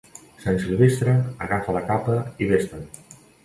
Sant Silvestre, agafa la capa i vés-te'n.